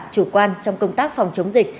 chủ quan trong công tác phòng chống dịch